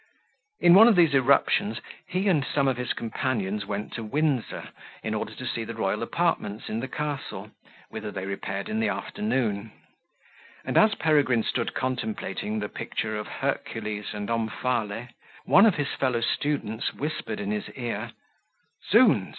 In one of these eruptions he and some of his companions went to Windsor, in order to see the royal apartments in the castle, whither they repaired in the afternoon; and as Peregrine stood contemplating the picture of Hercules and Omphale, one of his fellow students whispered in his car, "Zounds!